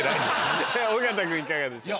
尾形君いかがでしょう？